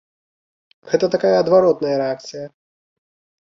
Гэта такая адваротная рэакцыя.